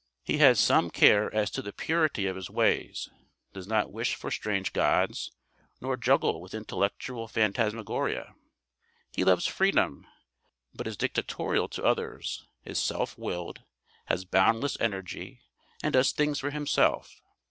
He has "some care as to the purity of his ways, does not wish for strange gods, nor juggle with intellectual phantasmagoria." He loves freedom, but is dictatorial to others, is self willed, has boundless energy, and does things for himself.